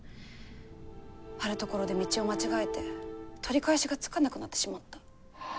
あるところで道を間違えて取り返しがつかなくなってしまった。